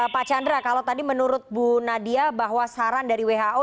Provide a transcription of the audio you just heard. pak chandra kalau tadi menurut bu nadia bahwa saran dari who